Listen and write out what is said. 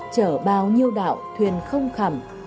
chở bao nhiêu đạo thuyền không khẩm